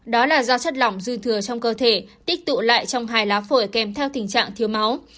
đó là do chất lỏng dư thừa trong cơ thể tích tụ lại trong hai lá phổi kèm theo tình trạng thiếu máu